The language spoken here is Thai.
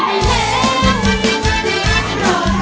ทางบ้านเชื่อเทียนในเทียนเลยครับ